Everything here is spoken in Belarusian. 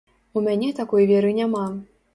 У мяне такой веры няма.